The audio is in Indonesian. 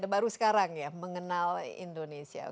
baru sekarang ya mengenal indonesia